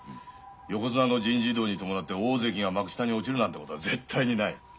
横綱の人事異動にともなって大関が幕下に落ちるなんてことは絶対にない。